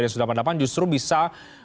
pak jokowi kenapa justru bisa